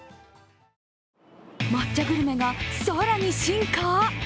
抹茶グルメが更に進化？